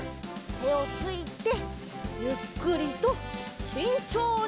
てをついてゆっくりとしんちょうに。